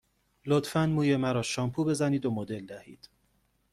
لطفاً موی مرا شامپو بزنید و مدل دهید.